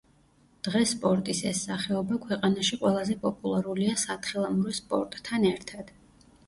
დღეს სპორტის ეს სახეობა ქვეყანაში ყველაზე პოპულარულია სათხილამურო სპორტთან ერთად.